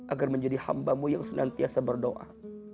agar menjadi hambamu yang senantiasa berdoa